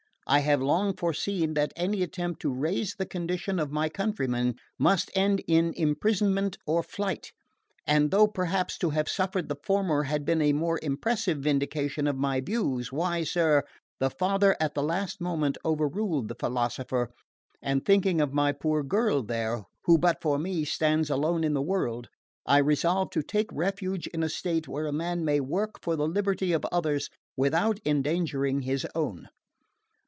I have long foreseen that any attempt to raise the condition of my countrymen must end in imprisonment or flight; and though perhaps to have suffered the former had been a more impressive vindication of my views, why, sir, the father at the last moment overruled the philosopher, and thinking of my poor girl there, who but for me stands alone in the world, I resolved to take refuge in a state where a man may work for the liberty of others without endangering his own."